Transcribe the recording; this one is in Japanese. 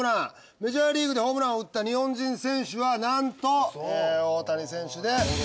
メジャーリーグでホームランを打った日本人選手はなんと大谷選手で。